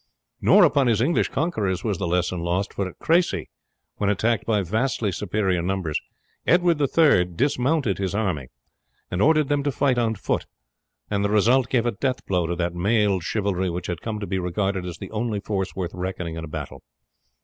Nor upon his English conquerors was the lesson lost, for at Cressy, when attacked by vastly superior numbers, Edward III dismounted his army, and ordered them to fight on foot, and the result gave a death blow to that mailed chivalry which had come to be regarded as the only force worth reckoning in a battle.